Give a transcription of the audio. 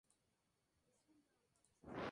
Se inicia el largo periodo del Liberalismo Amarillo.